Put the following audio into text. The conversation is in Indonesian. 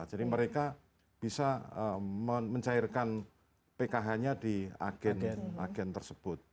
jadi mereka bisa mencairkan pkh nya di agen agen tersebut